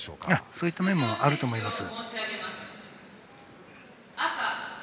そういった面もあると思います。